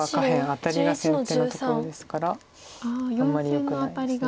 アタリが先手のところですからあんまりよくないです。